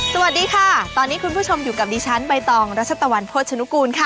สวัสดีค่ะตอนนี้คุณผู้ชมอยู่กับดิฉันใบตองรัชตะวันโภชนุกูลค่ะ